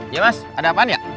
ya mas ada apaan ya